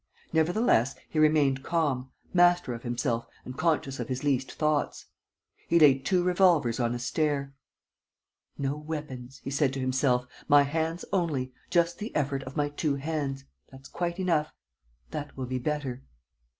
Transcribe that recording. Nevertheless, he remained calm, master of himself and conscious of his least thoughts. He laid two revolvers on a stair: "No weapons," he said to himself. "My hands only, just the effort of my two hands. ... That's quite enough. ... That will be better.